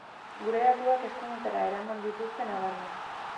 Gure datuak eskuinetara eraman dituzte nabarmen.